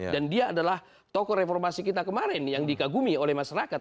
dan dia adalah tokoh reformasi kita kemarin yang dikagumi oleh masyarakat